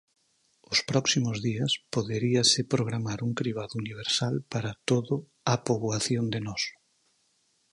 Os próximos días poderíase programar un cribado universal para todo a poboación de Mos.